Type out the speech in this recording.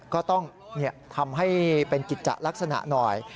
ก็ต้องทำให้เป็นกิจจะลักษณะหน่อย